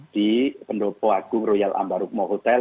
di pendopo agung royal ambarukmo hotel